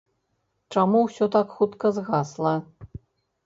Чаму ўсё так хутка згасла?